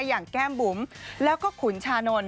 อย่างแก้มบุ๋มแล้วก็ขุนชานนท